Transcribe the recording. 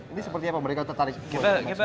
ini seperti apa mereka tertarik